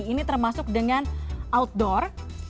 ini termasuk dengan outdoor